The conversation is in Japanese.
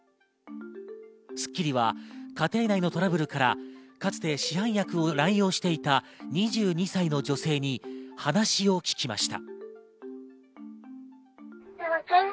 『スッキリ』は家庭内のトラブルからかつて市販薬を乱用していた２２歳の女性に話を聞きました。